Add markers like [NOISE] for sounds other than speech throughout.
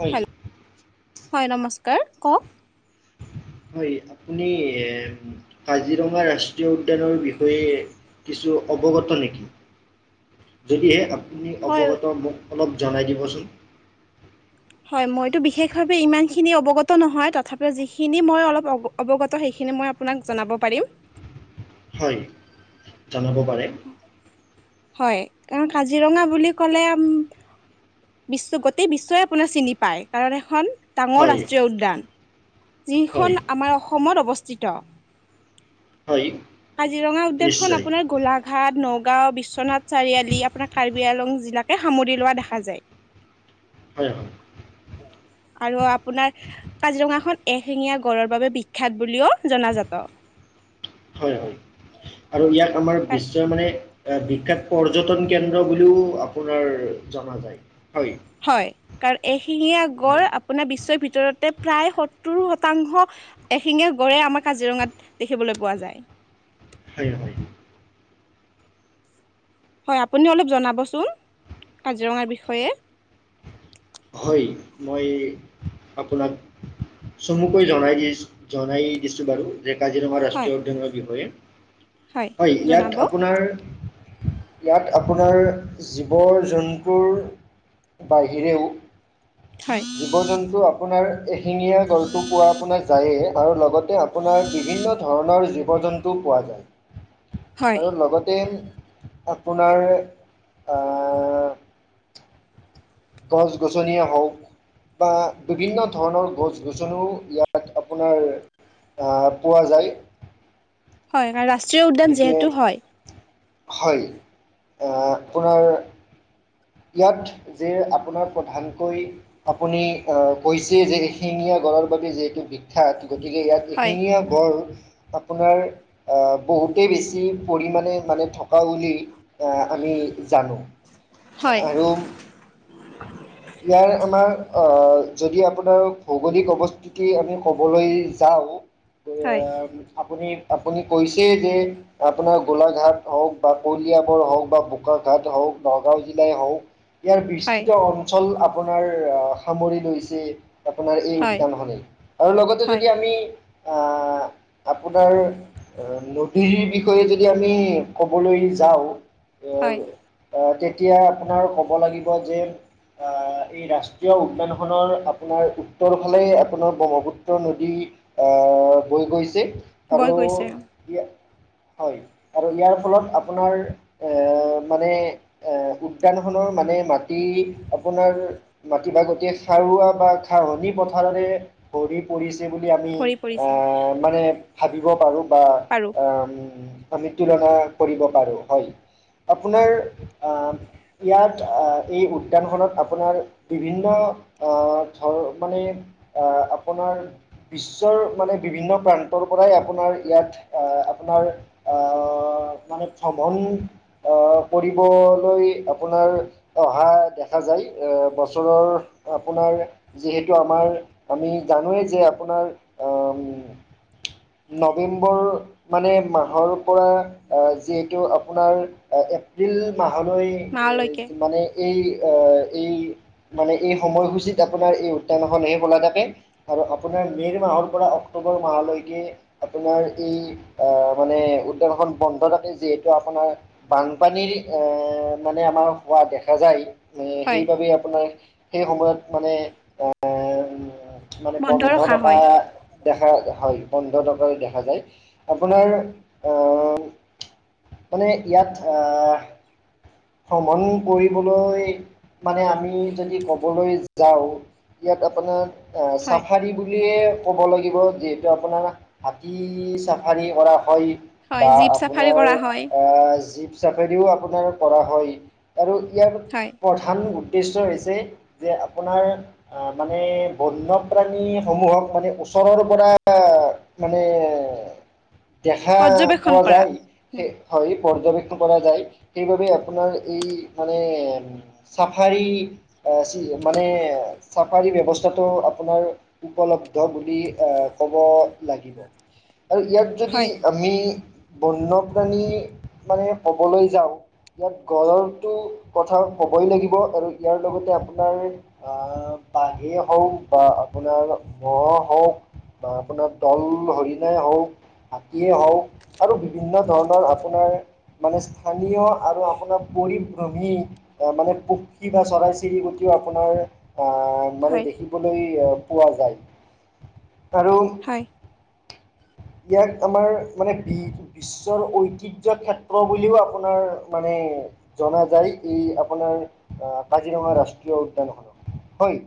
হয় হেল্ল' হয় নমস্কাৰ কওঁক। হয় আপুনি এ কাজিৰঙা ৰাষ্ট্ৰীয় উদ্যানৰ বিষয়ে কিছু অৱগত নেকি? যদিহে আ আপুনি হয় অৱগত মোক অলপ জনাই দিবচোন? হয় মইতো বিশেষভাৱে ইমানখিনি অৱগত নহয়। তথাপিও যিখিনি মই অলপ অ অৱগত সেইখিনি মই আপোনাক জনাব পাৰিম। হয়, জনাব পাৰে। হয়, কাৰণ কাজিৰঙা বুলি ক'লে আম বিশ্ব গোটেই বিশ্বই আপোনাৰ চিনি পায়। কাৰণ এখন ডাঙৰ হয় ৰাষ্ট্ৰীয় উদ্যান। যিখন হয় আমাৰ অসমত অৱস্থিত। হয়। কাজিৰঙা উদ্যানখন নিশ্চয় আপোনাৰ গোলাঘাট, নগাঁও, বিশ্বনাথ চাৰিআলি, আপোনাৰ কাৰ্বি আলং জিলাকে সামৰি লোৱা দেখা যায়। হয়, হয়। আৰু আপোনাৰ কাজিৰঙা খন এশিঙীয়া গঁড়ৰ বাবে বিখ্যাত বুলিও জনাজাত। হয়, হয় আৰু ইয়াক আমাৰ বিশ্বই মানে এ বিখ্যাত পৰ্যটন কেন্দ্ৰ বুলিও আপোনাৰ জনা যায়। হয় হয়, কাৰণ এশিঙীয়া হয় গঁড় আপোনাৰ বিশ্বৰ ভিতৰতে প্ৰায় সত্তৰ শতাংশ এশিঙীয়া গঁড়ৰে আমাৰ কাজিৰঙাত দেখিবলৈ পোৱা যায়। হয়- হয়। হয়, আপুনি অলপ জনাবচোন কাজিৰঙাৰ বিষয়ে? হয়, মই আপোনাক চমুকৈ জনাই দি জনাই দিছো বাৰু যে কাজিৰঙা হয় ৰাষ্ট্ৰীয় উদ্যানৰ বিষয়ে। হয়, ইয়াত আপোনাৰ ইয়াত আপোনাৰ জীৱ-জন্তুৰ বাহিৰেও হয় জীৱ-জন্তু আপোনাৰ এশিঙীয়া গঁড়টো পোৱা আপোনাৰ যায়ে আৰু লগত আপোনাৰ বিভিন্ন ধৰণৰ জীৱ জন্তু পোৱা যায়। হয় আৰু লগতে আপোনাৰ আহ গছ গছনিয়ে হওঁক। বা বিভিন্ন ধৰণৰ গছ গছনিও ইয়াত আপোনাৰ। আহ, পোৱা যায়। হয় কাৰণ ৰাষ্ট্ৰীয় উদ্যান গতিকে যিহেতু হয়। হয়, আপোনাৰ। ইয়াত যে আপোনাক প্ৰধানকৈ আপুনি আহ কৈছে যে এশিঙীয়া গড় বাবে যিহেতু বিখ্যাত। গতিকে ইয়াত হয় এখিঙীয়া গড়। আপোনাৰ বহুতে বেছি পৰিমাণে মানে থকা বুলি। আহ, আমি জানো। হয় আৰু ইয়াৰ আমাৰ। যদি আপোনাৰ ভৌগোলিক অৱস্থিতি আমি ক'বলৈ যাওঁ। হয় আপুনি আপুনি কৈছে যে আপোনাৰ গোলাঘাট হওঁক বা কলিয়াবৰ হওঁক বা বোকা ঘাট হওঁক। চৰকাৰ যি। যাই হওঁক ইয়াৰ হয় বিস্তৃত অঞ্চল আপোনাৰ আহ সামৰি লৈছে। আপোনাৰ এই হয় উদ্যানখনেই আৰু লগতে হয় যদি আমি আহ। আপোনাৰ নদীৰ বিষয়ে যদি আমি ক'বলৈ যাওঁ। হয় আহ আহ তেতিয়া আপোনাৰ ক'ব লাগিব যে। আহ এই ৰাষ্ট্ৰীয় উদ্যান খনৰ আপোনাৰ উত্তৰ ফালে আপোনাৰ ব্ৰহ্মপুত্ৰ নদী। আহ, বৈ গৈছে বৈ আৰু। গৈছে হয় আৰু ইয়াৰ ফলত আপোনাৰ এ মানে। এ উদ্যানখনৰ মানে মাটি আপোনাৰ মাটি ভাগত সাৰুৱা বা ৰণী পথাৰৰে ভৰি পৰিছে। বুলি আমি ভৰি পৰিছে মানে ভাবিব পাৰো বা পাৰো আ আমি তুলনা কৰিব পাৰো হয়। আপোনাৰ আহ ইয়াত এই উদ্যানখনত আপোনাৰ বিভিন্ন ধ মানে। আহ আপোনাৰ বিশ্বৰ মানে বিভিন্ন প্ৰান্তৰ পৰাই আপোনাৰ ইয়াত আহ। আপোনাৰ আহ মানে চভন পৰি [UNINTELLIGIBLE] আপোনাৰ অহা দেখা যায় বছৰৰ আপোনাৰ যিহেতু আমাৰ আমি জানোৱেই যে আপোনাৰ উ নৱেম্বৰ মানে মাহৰ পৰা আহ যিহেতু আপোনাৰ। এপ্ৰিল মাহলৈ মালৈকে মানে এই এই। মানে এই সময়সূচীত আপোনাৰ এই উদ্যানখন হে খোলা থাকে আৰু আপোনাৰ মে'ৰ মাহৰ পৰা অক্টোবৰ মাহলৈকে। আপোনাৰ এই আহ মানে উদ্যানখন বন্ধ থাকে যিহেতু আপোনাৰ বানপানী। এৰি মানে আমাৰ হোৱা দেখা যায়। হয় সেইবাবেই আপোনাৰ সেই সময়ত মানে এ মানে বন্ধ ৰখা থকা হয় দেখা হয়। বন্ধ দেখা যায় আপোনাৰ। মানে ইয়াত আহ। ভ্ৰমণ কৰিবলৈ মানে আমি যদি ক'বলৈ যাওঁ, ইয়াত। আপোনাৰ হয় চাফাৰী বুলিয়ে। ক'ব লাগিব, যিহেতু আপোনাৰ হাতী চাফাৰী কৰা হয়। হয় বা জীপ চাফাৰী আপোনাৰ কৰা হয় আহ যি চাফেৰিও আপোনাৰ কৰা হয় আৰু ইয়াৰ হয় প্ৰধান উদ্দেশ্য হৈছে যে আপোনাৰ মানে বন্যপ্ৰাণীসমূহক মানে। ওচৰৰ পৰা মানে। দেখা পৰ্যবেক্ষণ পোৱা কৰা যায় হয় পৰ্যবেক্ষ কৰা যায়। সেইবাবে আপোনাৰ এই মানে চাফাৰী। মানে চাফাৰী ব্যৱস্থা। সুবিধা টো আপোনাৰ উপলব্ধ বুলি ক'ব লাগিব। আৰু ইয়াত যদি হয় আমি বন্যপ্ৰাণী মানে ক'বলৈ যাওঁ। ইয়াত গড়ৰটো কথা ক'বই লাগিব আৰু ইয়াৰ লগতে আপোনাৰ আহ। বাঘে হওঁক বা আপোনাৰ গড় হওঁক। বা আপোনাৰ দল হৰি নাই হওঁক। হাতীয়ে হওঁক আৰু বিভিন্ন ধৰণৰ আপোনাৰ মানে স্থানীয়। আৰু আপোনাৰ [UNINTELLIGIBLE] মানে পক্ষী বা চৰাই চিৰি কটিও আপোনাৰ। আহ মানে হয় দেখিবলৈ পোৱা যায়, আৰু হয় ইয়াক আমাৰ মানে বিশ্বৰ ঐতিহয্য ক্ষেত্ৰ বুলিও আপোনাৰ মানে জনা যায়। এই আপোনাৰ আহ কাজিৰঙা ৰাষ্ট্ৰীয় উদ্যান খনক। হয়।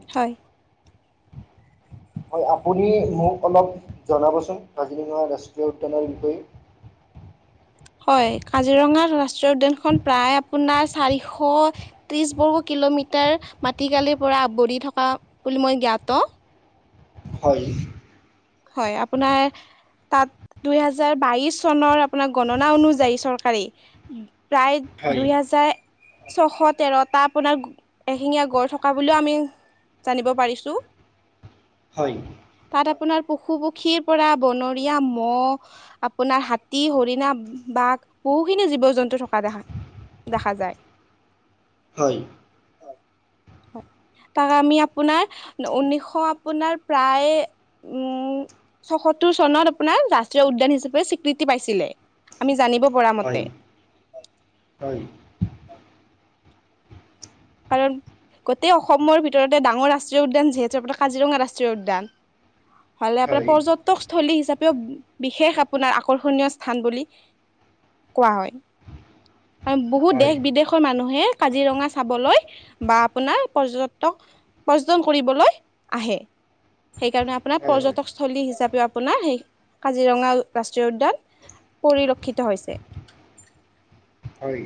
হয়, আপুনি মোক অলপ জনাবচোন কাজিৰঙা ৰাষ্ট্ৰীয় উদ্যানৰ বিষয়ে। [INAUDIBLE] হয় কাজিৰঙাত ৰাষ্ট্ৰীয় উদ্যানখন প্ৰায় আপোনাৰ চাৰিশ ত্ৰিশ বৰ্গ কিলোমিটাৰ মাটিকালিৰ পৰা আৱৰি থকা বুলি মই জ্ঞাত। হয়। হয়, আপোনাৰ। তাত দুইহেজাৰ বাইশ চনৰ আপোনাৰ গণনা অনুযায়ী চৰকাৰে প্ৰায় হয় দুই হাজাৰ ছশ তেৰটা আপোনাৰ এশিঙীয়া গড় থকা বুলিও আমি জানিব পাৰিছো, হয় তাত আপোনাৰ পশু পক্ষীৰ পৰা বনৰীয়া ম'হ আপোনাৰ হাতী, হৰিণা, বাঘ, বহুখিনি জীৱ জন্তু থকা দেখা দেখা যায়। হয়। হয়, তাক আমি আপোনাৰ ঊনৈশ আপোনাৰ প্ৰায় [INAUDIBLE] ছয়সত্তৰ চনত আপোনাৰ ৰাষ্ট্ৰীয় উদ্যান হিচাপে স্বীকৃতি পাইছিলে। আমি জানিব পৰা মতে হয়, হয়। কাৰণ গোটেই অসমৰ ভিতৰতে ডাঙৰ ৰাষ্ট্ৰীয় উদ্যান যিহেতু আপোনাৰ কাজিৰঙা ৰাষ্ট্ৰীয় উদ্যান। হ'লে আপোনাৰ পৰ্যটকস্থলী হিচাপে বিশেষ আপোনাৰ আকৰ্ষণীয় স্থান বুলি কোৱা হয়। আৰু বহুত হয় দেশ বিদেশৰ মানুহে কাজিৰঙা চাবলৈ বা আপোনাৰ পৰ্যটক পৰ্যটন কৰিবলৈ আহে, সেইকাৰণে আপোনাৰ হয় হয় পৰ্যটকস্থলী হিচাপে আপোনাৰ সেই কাজিৰঙা ৰাষ্ট্ৰীয় উদ্যান পৰিলক্ষিত হৈছে। হয়।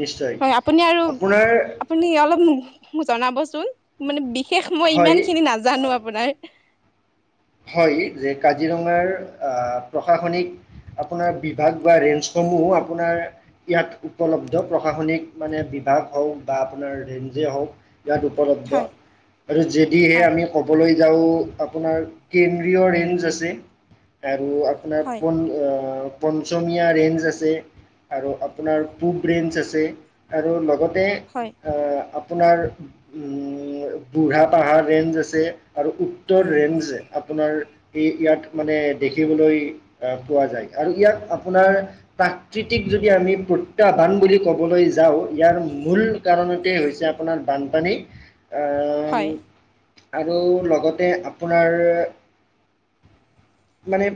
নিশ্চয় হয়, আপুনি আৰু আপোনাৰ আপুনি অলপ মোক জনাবচোন, মানে বিশেষ মই হয় ইমান খিনি নাজানো আপোনাৰ। হয়, যে কাজিৰঙাৰ প্ৰশাসনিক আপোনাৰ বিভাগ বা ৰেঞ্জসমূহো আপোনাৰ ইয়াত উপলব্ধ শুদ্ধ প্ৰশাসনিক মানে বিভাগ হওঁক বা আপোনাৰ ৰেঞ্জেই হওঁক। ইয়াত উপলব্ধ হয় আৰু যদিহে হয় আমি ক'বলৈ যাওঁ আপোনাৰ কেন্দ্ৰীয় ৰেঞ্জ আছে আৰু আপোনাৰ হয় প পঞ্চমীয়া ৰেঞ্জ আছে আৰু আপোনাৰ পূব ৰেঞ্জ আছে আৰু লগত তে হয় আ আপোনাৰ বুঢ়া পাহাৰ ৰেঞ্জ আছে আৰু উত্তৰ ৰেঞ্জে আপোনাৰ এই ইয়াত মানে দেখিবলৈ আহ পোৱা যায়, আৰু ইয়াক আপোনাৰ প্ৰাকৃতিক যদি আমি প্ৰত্যাহ্বান বুলি ক'বলৈ যাওঁ, ইয়াৰ মূল কাৰণতেই হৈছে। আপোনাৰ বানপানী। আহ হয়। আৰু লগতে আপোনাৰ মানে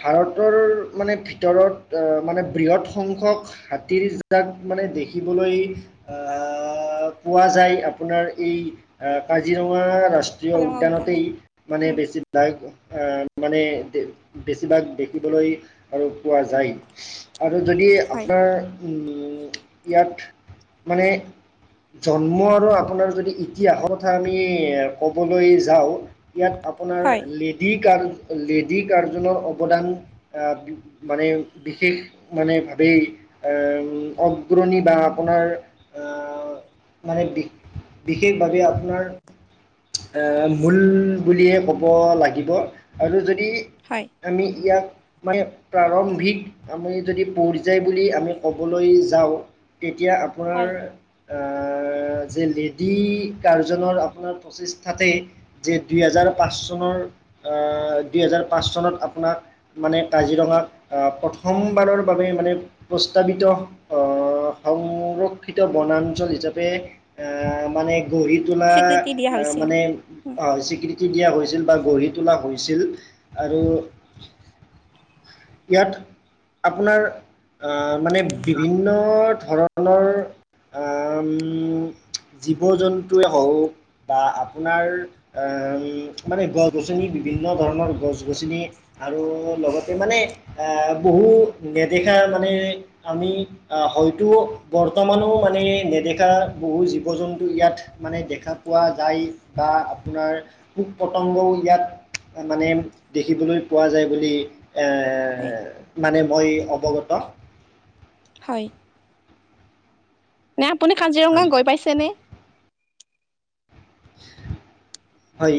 ভাৰতৰ মানে ভিতৰত অহ মানে বৃহৎ সংখ্যক হাতীৰ জাক মানে দেখিবলৈ আহ আহ পোৱা যায়। আপোনাৰ এই কাজিৰঙা ৰাষ্ট্ৰীয় কাজিৰঙা উদ্যানত উদ্যানতেই মানে উম বেছিভাগ মানে বেছিভাগ দেখিবলৈ আৰু পোৱা যায়। আৰু যদি হয় আপোনাৰ ইয়াত মানে জন্ম আৰু আপোনাৰ যদি ইতিহাসৰ কথা আমি ক'বলৈ যাওঁ। ইয়াত আপোনাৰ হয় লেডি কাৰ লেডি কাৰ্জনৰ অৱদান আহ মানে বিশেষ মানে ভাৱেই এ অগ্ৰণী বা আপোনাৰ অহ মানে বিশেষভাৱে আপোনাৰ এ মূল বুলিয়ে কব লাগিব। আৰু যদি হয় আমি ইয়াক মানে প্ৰাৰম্ভিক আমি যদি পৰ্যায় বুলি আমি ক'বলৈ যাওঁ, তেতিয়া আপোনাৰ হয় অহ যে লেডী কাৰ্জনৰ আপোনাৰ প্ৰচেষ্টাতে যে দুই হেজাৰ পাঁচ চনৰ আহ দুই হেজাৰ পাঁচ চনত আপোনাক মানে কাজিৰঙাক প্ৰথমবাৰৰ বাবে মানে প্ৰস্তাৱিত সংৰক্ষিত বনাঞ্চল হিচাপে অ' মানে গঢ়ি তোলা স্বীকৃতি দিয়া হৈছিল মানে উম স্বীকৃতি দিয়া হৈছিল বা গঢ়ি তোলা হৈছিল আৰু ইয়াত আপোনাৰ আ মানে বিভিন্ন ধৰণৰ জীৱ জন্তুৱে হওক বা আপোনাৰ উম মানে গছ গছনি বিভিন্ন ধৰণৰ গছ গছনি আৰু লগতে মানে অ', বহু নেদেখা মানে আমি আহ হয়তো বৰ্তমানো মানে নেদেখা বহু জীৱ জন্তু ইয়াত মানে দেখা পোৱা যায় বা আপোনাৰ পোক পতংগও ইয়াত মানে দেখিবলৈ পোৱা যায় বুলি এ হয় মানে মই অৱগত হয়। নে আপুনি কাজিৰঙা হয় গৈ পাইছেনে হয়।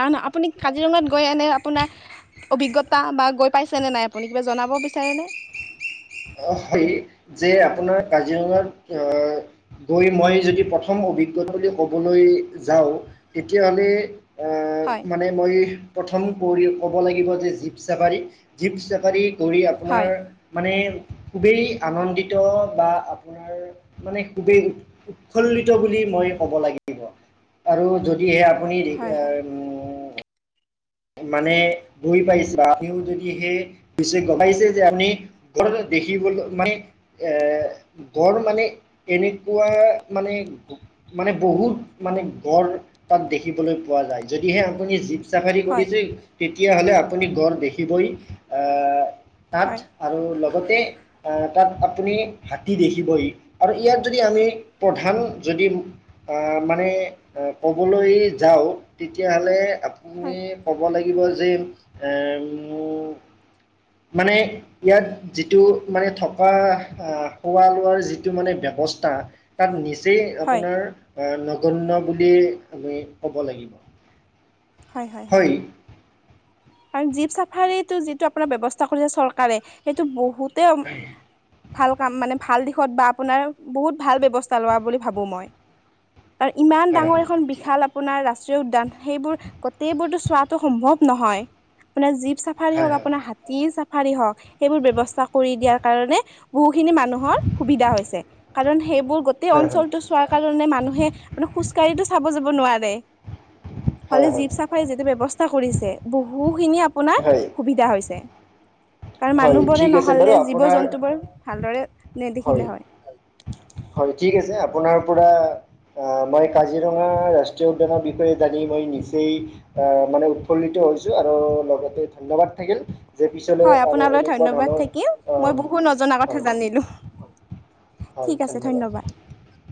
আহ ন আপুনি কাজিৰঙাত গৈ এনে আপোনাৰ অভিজ্ঞতা বা গৈ পাইছেনে নাই আপুনি কিবা জনাব বিচাৰেনে অ হয় যে আপোনাৰ কাজিৰঙাত অ গৈ মই যদি প্ৰথম অভিজ্ঞতা বুলি ক'বলৈ যাওঁ তেতিয়াহ'লে হয় মানে মই প্ৰথম ক'ব লাগিব যে জীপ চাফাৰী জীপ চাফাৰী কৰি আপোনাৰ হয় মানে খুবেই আনন্দিত বা আপোনাৰ মানে খুবেই উৎ উৎফুল্লিত বুলি কব লাগিব আৰু যদিহে আপুনি হয় হয় উ মানে গৈ পাইছে বা আপুনিও যদি সেই [UNINTELLIGIBLE] গম পাইছে যে আপুনি ঘ দেখিবলৈ মানে এ বৰ মানে এনেকুৱা মানে মানে বহুত মানে গড় তাত দেখিবলৈ পোৱা যায় যদিহে আপুনি চাফাৰী হয় কৰিছিল তেতিয়াহলে আপুনি গড় দেখিবই এ তাত হয় আৰু লগতে আ তাত আপুনি হাতী দেখিবই আৰু ইয়াত যদি আমি প্ৰধান যদি অ' মানে ক'বলৈ যাওঁ তেতিয়াহ'লে আপুনি হয় ক'ব লাগিব যে এ মোক মানে ইয়াত যিটো মানে থকা অ' খোৱা লোৱাৰ যিটো মানে ব্যৱস্থা তাত নিচ [UNINTELLIGIBLE] হয় আপোনাৰ অ' নগন্য বুলি আমি ক'ব লাগিব। হয় হয় হয়। কাৰণ জীপ চাফাৰীটো যিটো আপোনাৰ ব্যৱস্থা কৰিছে চৰকাৰে সেইটো বহুত [UNINTELLIGIBLE] হয় ভাল কাম মানে ভাল দিশত বা আপোনাৰ বহুত ভাল ব্যৱস্থা লোৱা বুলি ভাবো মই। আৰু ইমান হয় ডাঙৰ এখন ঠিক বিশাল আপোনাৰ ৰাষ্ট্ৰীয় উদ্যান সেইবোৰ গোটেইবোৰতো চোৱাটো সম্ভৱ নহয়, আপোনাৰ জীপ চাফাৰী হয় হওঁক হয় আপোনাৰ হাতী চা ফাৰী হওঁক সেইবোৰ ব্যৱস্থা কৰি দিয়াৰ কাৰণে বহুখিনি মানুহৰ সুবিধা হৈছে কাৰণ সেইবোৰ গোটেই হয় হয় অঞ্চলটো চোৱাৰ কাৰণে মানুহে খোজকাঢ়িটো চাব যাব নোৱাৰে, হয় হ'লেও হয় জীপ চাফাৰী যিটো ব্যৱস্থা কৰিছে বহুত খিনি আপোনাৰ হয় সুবিধা হৈছে। কাৰণ হয় মানুহবোৰে ঠিক আছে বাৰু নহ'লে জীৱ আপোনাৰ জন্তুবোৰ ভালদৰে নেদেখিলে হয়। হয় ঠিক আছে আপোনাৰ পৰা অ' মই কাজিৰঙা ৰাষ্ট্ৰীয় উদ্যানৰ বিষয়ে জানি মই নিচেই অ' মানে উৎফুল্লিত হৈছোঁ আৰু লগতে ধন্যবাদ থাকিল। যে পিছলৈ হয় আৰু আপোনালৈ এনেকুৱা ধন্যবাদ ধৰণৰ থাকিল মই অম বহুত নজনা কথা হয়। জানিলো হয় ঠিক আছে ধন্যবাদ।